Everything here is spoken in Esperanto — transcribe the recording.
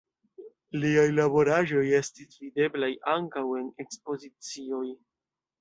Liaj laboraĵoj estis videblaj ankaŭ en ekspozicioj.